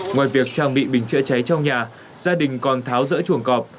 ngoài việc trang bị bình chữa cháy trong nhà gia đình còn tháo rỡ chuồng cọp